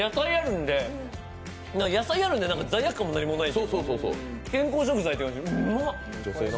野菜あるんで、罪悪感も何もない健康食材っていうか、うまっ！